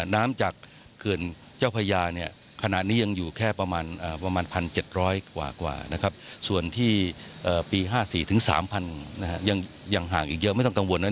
น้ำจากเกินเจ้าพระยาเนี่ยขณะนี้ยังอยู่แค่ประมาณ๑๗๐๐กว่านะครับ